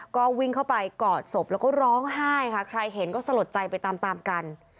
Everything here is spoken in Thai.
ก็วิ่งเข้าไปกอดศพแล้วก็ร้องไห้ค่ะใครเห็นก็สลดใจไปตามตามกัน